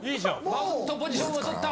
マウントポジションをとった！